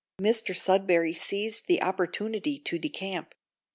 Mr Sudberry seized the opportunity to decamp.